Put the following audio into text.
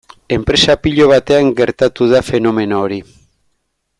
Enpresa pilo batean gertatu da fenomeno hori.